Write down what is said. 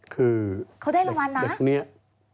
คือเด็กนี้เขาได้รางวัลน่ะ